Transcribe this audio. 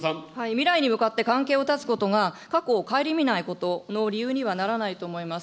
未来に向かって関係を断つことが、過去を顧みないことの理由にはならないと思います。